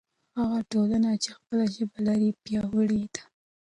هغه ټولنه چې خپله ژبه لري پیاوړې ده.